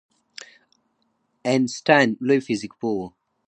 آینسټاین لوی فزیک پوه و